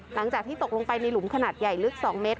หลังจากที่ตกลงไปในหลุมขนาดใหญ่ลึก๒เมตร